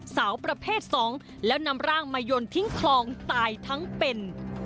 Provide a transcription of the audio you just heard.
สาวประเภทสองแล้วนำร่างมายนต์ทิ้งคลองตายทั้งเป็น